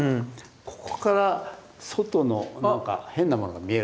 ここから外の何か変なものが見える。